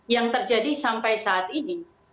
yang terjadi sampai saat ini ini adalah hal yang sangat penting